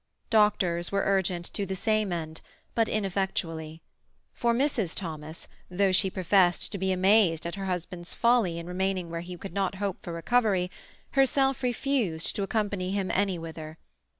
Doctors were urgent to the same end, but ineffectually; for Mrs. Thomas, though she professed to be amazed at her husband's folly in remaining where he could not hope for recovery, herself refused to accompany him any whither.